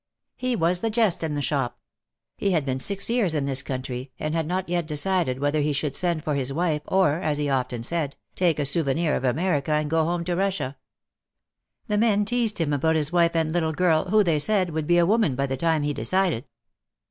He was the jest in the shop. He had been six years in this country and had not yet decided whether he should send for his wife or, as he often said, "Take a souvenir of America and go home to Russia." The men teased him about his wife and little girl who, they said, would be a woman by the time he decided.